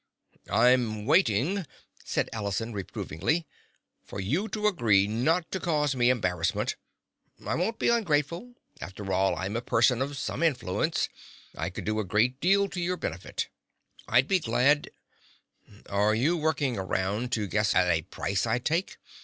"I'm waiting," said Allison reprovingly, "for you to agree not to cause me embarrassment. I won't be ungrateful. After all, I'm a person of some influence. I could do a great deal to your benefit. I'd be glad—" "Are you working around to guess at a price I'll take?"